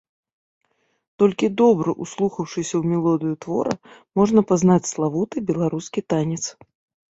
Толькі добра ўслухаўшыся ў мелодыю твора, можна пазнаць славуты беларускі танец.